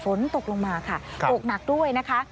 ฝนตกลงมาค่ะตกหนักด้วยนะคะ